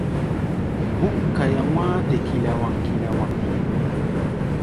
Búk kaia wá̧á̧-te kilawaŋ-kilawaŋ.